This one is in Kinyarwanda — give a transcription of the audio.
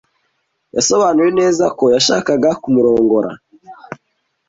Yasobanuye neza ko yashakaga kumurongora.